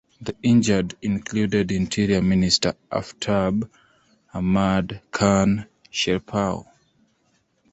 The injured included Interior Minister Aftab Ahmad Khan Sherpao.